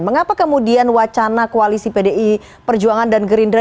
mengapa kemudian wacana koalisi pdi perjuangan dan gerindra